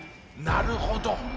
なるほど。